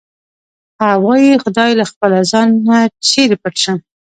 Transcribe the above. هغه وایی خدایه له خپله ځانه چېرې پټ شم